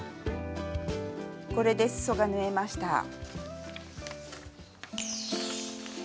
これですそが縫えました。